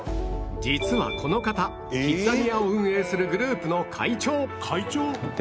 実はこの方キッザニアを運営するグループの会長